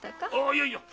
いやいや。